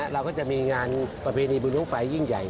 เราก็จะมีงานประเภทในบริเวณโรงไฟยิ่งใหญ่